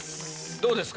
どうですか？